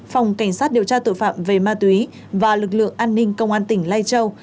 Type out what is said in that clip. phòng cảnh sát điều tra tội phạm về ma túy và lực lượng an ninh công an tỉnh lai châu